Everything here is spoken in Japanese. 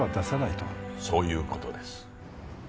そういう事です。